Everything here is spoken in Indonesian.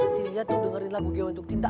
si lia tuh dengerin lagu gew untuk cinta